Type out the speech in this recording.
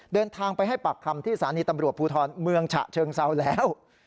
เดินทางไปให้ปากคำที่สถานีตำรวจภูทรเมืองฉะเชิงเซาแล้ว